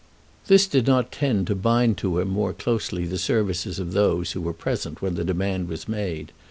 This did not tend to bind to him more closely the services of those who were present when the demand was made.